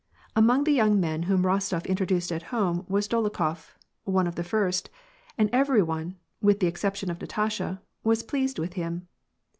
Among the young men whom Rostof introduced at home was Dolokhof — one of the first — and every one, with the excep tion of Natasha, was pleased with him.